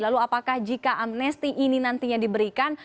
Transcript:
lalu apakah jika amnesti ini nantinya diberikan